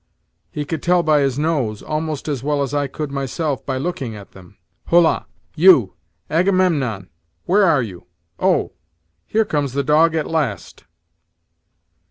He could tell by his nose, almost as well as I could myself by looking at them. Holla! you Agamemnon! where are you? Oh! here comes the dog at last."